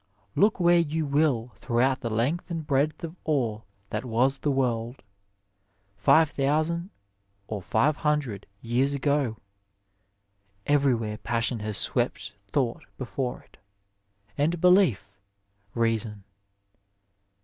Look where you will throughout the length and breadth of all that was the world, 6000 or 600 years ago ; everywhere passion has swept thought before it, and belief, reason.